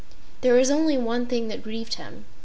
There was only one thing that grieved him.